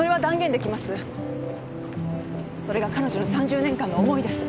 それが彼女の３０年間の思いです。